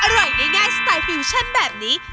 อร่อยง่ายสไตล์ฟิวชั่นแบบนี้